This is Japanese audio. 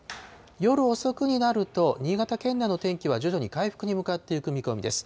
夜遅くになると、新潟県内の天気は徐々に回復に向かってゆく見込みです。